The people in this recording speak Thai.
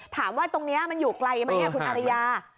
ถามว่าตรงนี้มันอยู่ไกลไหมคุณอาริยา